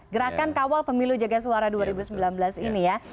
gerakan kawal pemilu jaga suara dua ribu sembilan belas ini ya